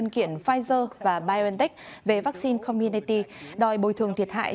đơn kiện pfizer và biontech về vaccine community đòi bồi thường thiệt hại